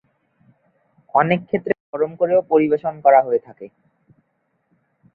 অনেকক্ষেত্রে গরম করেও পরিবেশন করা হয়ে থাকে।